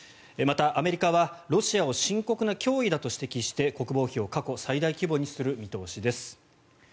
また、アメリカはロシアを深刻な脅威だと指摘して国防費を過去最大規模にする見通しです。